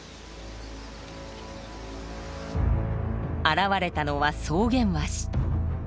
現れたのはソウゲンワシ！